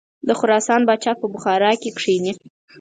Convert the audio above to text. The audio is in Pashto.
د خراسان پاچا په بخارا کې کښیني.